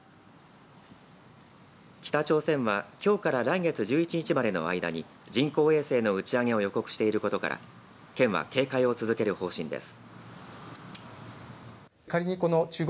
北朝鮮は、きょうから来月１１日までの間に人工衛星の打ち上げを予告していることから県は警戒を続ける方針です。